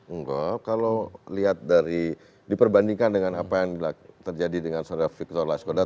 enggak kalau lihat dari diperbandingkan dengan apa yang terjadi dengan saudara victor laskoda